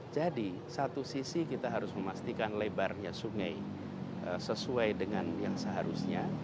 jadi satu sisi kita harus memastikan lebarnya sungai sesuai dengan yang seharusnya